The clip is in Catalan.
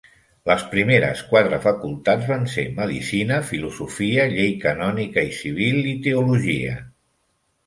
Les primeres quatre facultats van ser Medicina, Filosofia, Llei canònica i civil i Teologia.